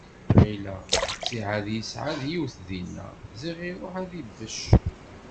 Ɣilleɣ d ttiɛad i yesɛa d yiwet dinna, ziɣ iruḥ ad d-ibecc.